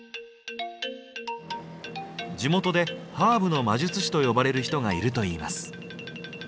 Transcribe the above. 地元で「ハーブの魔術師」と呼ばれる人がいるといいます。